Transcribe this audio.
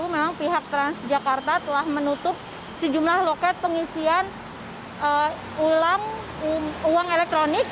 memang pihak transjakarta telah menutup sejumlah loket pengisian uang elektronik